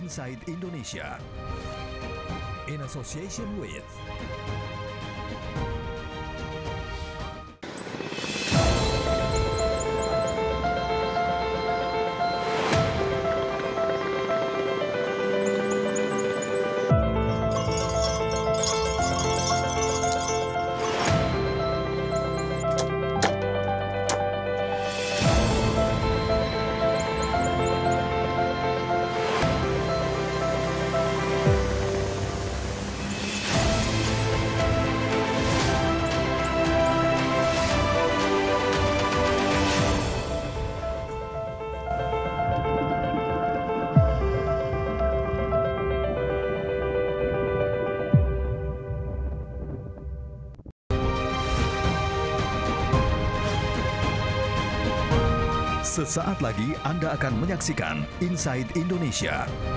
sesaat lagi anda akan menyaksikan inside indonesia